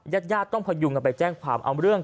ญาติญาติต้องพยุงกันไปแจ้งความเอาเรื่อง